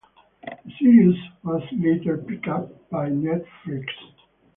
The series was later picked up by Netflix.